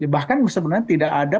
bahkan sebenarnya tidak ada